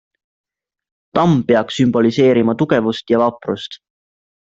Tamm peaks sümboliseerima tugevust ja vaprust.